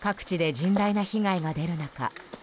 各地で甚大な被害が出る中